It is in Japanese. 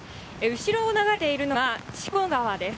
後ろを流れているのが筑後川です。